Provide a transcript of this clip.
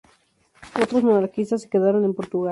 Otros monarquistas se quedaron en Portugal.